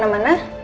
aku mau ke rumah